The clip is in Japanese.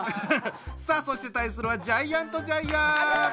さあそして対するはジャイアントジャイアン！